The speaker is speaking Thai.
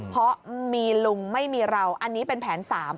เพราะมีลุงไม่มีเราอันนี้เป็นแผน๓